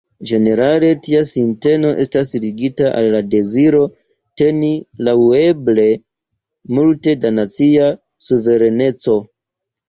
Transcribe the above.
Ĝenerale tia sinteno estas ligita al la deziro teni laŭeble multe da nacia suvereneco.